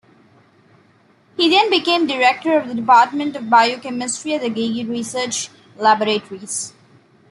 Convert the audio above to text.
He then became director of the Department of Biochemistry at the Geigy Research Laboratories.